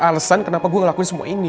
gue ada alesan kenapa gue ngelakuin semua ini